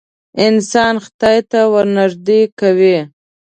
انسان خدای ته ورنیږدې کوې.